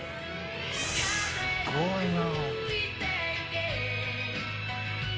すごいな。